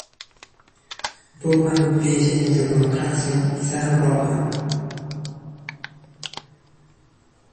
Był pan w więzieniu za demokrację i za Europę